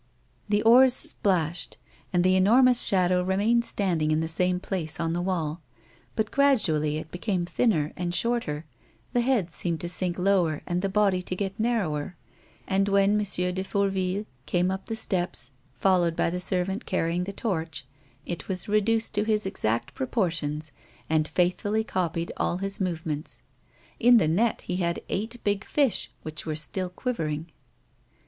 " The oars splashed, and the enormous shadow remained standing in the same place on the wall, but gradually it became thinner and shorter ; the head seemed to sink lower and the body to get narrower, and when M. de Fourville came up the steps, followed by the servant canying the torch, it was reduced to his exact proportions, and faithfully' copied all his movements. In the net he had eight big fish which were still quivering.